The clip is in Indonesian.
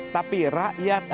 tapi rakyat harus